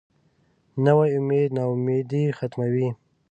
نوی امید نا امیدي ختموي